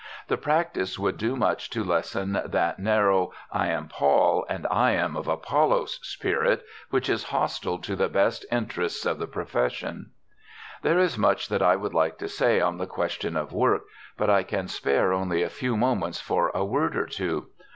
The practice would do much to lessen that narrow "I am of Paul and I am of Apollos" spirit which is hostile to the best interests of the profession. There is much that I would like to say on the question of work, but I can spare only a few moments for a word or two.